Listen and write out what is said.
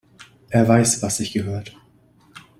Er weiß, was sich gehört.